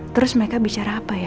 terus mereka bicara apa ya